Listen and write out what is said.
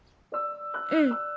うん。